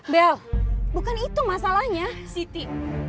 bel bukan itu masalahnya siti